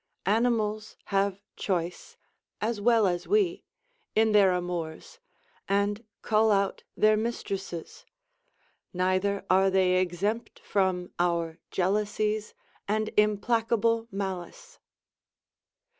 Animals have choice, as well as we, in their amours, and cull out their mistresses; neither are they exempt from our jealousies and implacable malice.